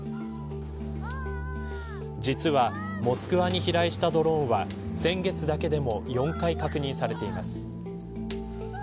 実はモスクワに飛来したドローンは先月だけでも４回確認されてます。